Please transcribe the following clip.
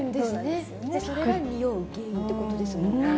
それがにおう原因ってことですもんね。